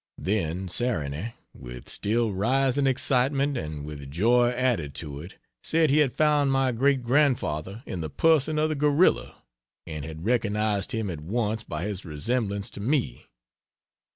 Then Sarony, with still rising excitement and with joy added to it, said he had found my great grandfather in the person of the gorilla, and had recognized him at once by his resemblance to me.